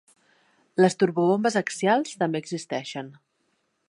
Les turbobombes axials també existeixen.